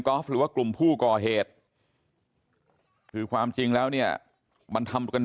หรือว่ากลุ่มผู้ก่อเหตุคือความจริงแล้วเนี่ยมันทำกัน